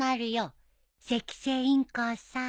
セキセイインコをさ。